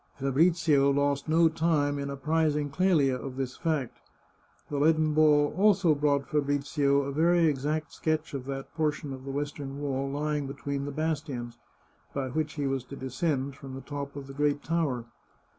Fabrizio lost no time in ap 379 The Chartreuse of Parma prising Clelia of this fact. The leaden ball also brought Fabrizio a very exact sketch of that portion of the western wall lying between the bastions, by which he was to descend from the top of the great tower.